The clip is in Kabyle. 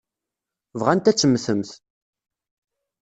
Bɣant ad temmtemt.